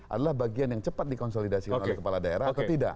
adalah bagian yang cepat dikonsolidasikan oleh kepala daerah atau tidak